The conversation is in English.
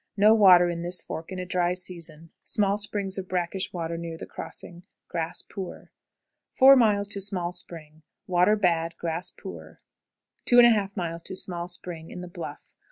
No water in this fork in a dry season; small springs of brackish water near the crossing. Grass poor. 4. Small Spring. Water bad; grass poor. 2 1/2. Small Spring. In the bluff.